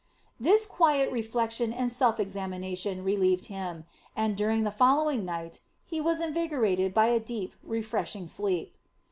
This quiet reflection and self examination relieved him and, during the following night, he was invigorated by a deep, refreshing sleep.